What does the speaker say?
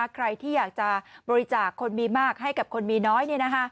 ใครที่อยากจะบริจาคคนมีมากให้กับคนมีน้อย